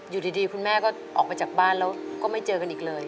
อยู่ดีคุณแม่ก็ออกไปจากบ้านแล้วก็ไม่เจอกันอีกเลย